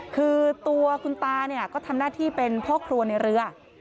คือตัวคุณตาทำน่าที่เป็นพ่อครัวในเรือ